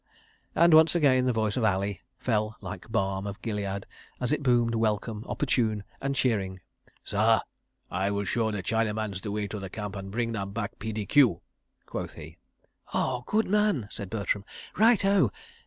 ... And again the voice of Ali fell like balm of Gilead, as it boomed, welcome, opportune and cheering. "Sah, I will show the Chinamans the way to camp and bring them back P.D.Q.," quoth he. "Oh! Good man!" said Bertram. "Right O!